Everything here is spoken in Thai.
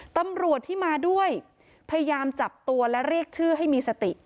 ตำรวจที่มาด้วยพยายามจับตัวและเรียกชื่อให้มีสติ